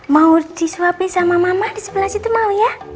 mau disuapin sama mama di sebelah situ mau ya